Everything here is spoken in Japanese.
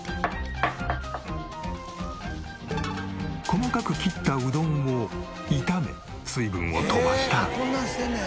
細かく切ったうどんを炒め水分を飛ばしたら。